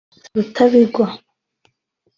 Rutabingwa